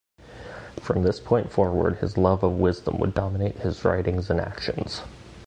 From this point forward, his love of wisdom would dominate his writings and actions.